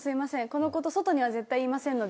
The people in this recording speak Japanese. この事外には絶対言いませんので。